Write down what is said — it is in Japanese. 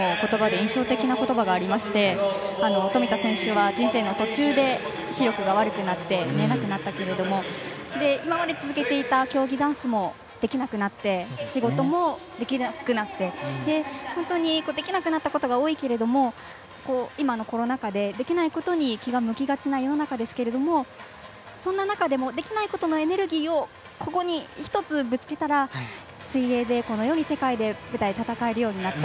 私、富田選手の言葉で印象的な言葉がありまして富田選手は人生の途中で視力が悪くなって見えなくなったけれども今まで続けていた競技ダンスもできなくなって仕事もできなくなって本当にできなくなったことが多いけども今のコロナ禍でできないことに気が向きがちな世の中ですけれどもそんな中でもできないことのエネルギーをここに１つ、ぶつけたら水泳でこのように世界の舞台で戦えるようになった。